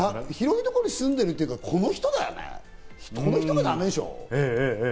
広いところに住んでるっていうか、この人だよね、この人がダメでしょ。